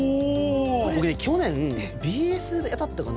去年、ＢＳだったかな。